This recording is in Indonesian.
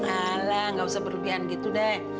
alah nggak usah berlebihan gitu deh